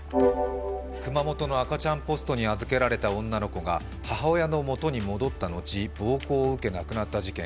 熊本の赤ちゃんポストに預けられた女の子が母親のもとに戻ったのち暴行を受け亡くなった事件。